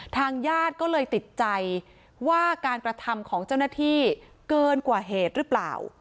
ทางญาติก็เลยติดใจว่าการกระทำของเจ้าหน้าที่เกินกว่าเหตุหรือเปล่า